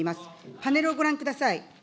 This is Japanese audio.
パネルをご覧ください。